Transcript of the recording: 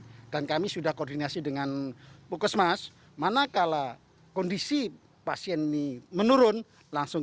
didi dan kami sudah koordinasi dengan pukes mas manakala kondisi pasien di menurun langsung